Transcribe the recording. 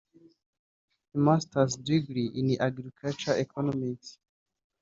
A Masters degree in Agricultural Economics